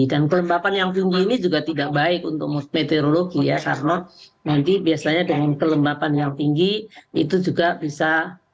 dan kelembapan yang tinggi ini juga tidak baik untuk meteorologi ya karena nanti biasanya dengan kelembapan yang tinggi itu juga bisa